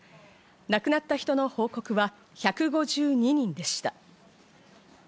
亡くなった人の報告は１５２人でした。